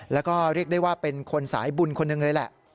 แล้วก็เรียกได้ว่าเป็นคนสายบุญคนหนึ่งเลยแหละ